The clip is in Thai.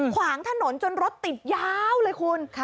ขวางถนนจนรถติดยาวเลยคุณ